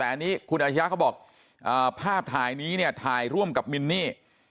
แต่อันนี้คุณอาชารุยะก็บอกภาพถ่ายนี้ถ่ายร่วมกับมินนี่